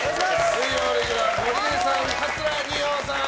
水曜レギュラーのゴリエさん、桂二葉さん！